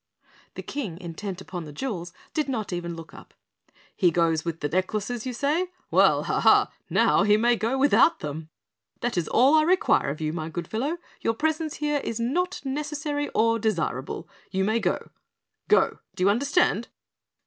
The King, intent upon the jewels, did not even look up. "He goes with the necklaces, you say? Well, ha! ha! now he may go without them. That is all I require of you, my good fellow, your presence here is not necessary or desirable. You may go. GO, do you understand?"